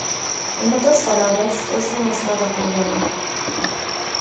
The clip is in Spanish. En otras palabras, es una espada curvada.